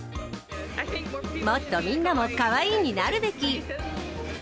もっとみんなもカワイイになるべき！